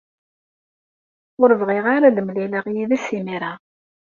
Ur bɣiɣ ara ad mlileɣ yid-s imir-a.